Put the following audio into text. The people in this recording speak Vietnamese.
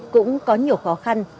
cũng có nhiều khó khăn